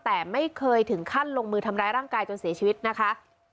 แต่ไม่เคยถึงขั้นลงมือทำร้ายร่างกายจนเสียชีวิตนะคะ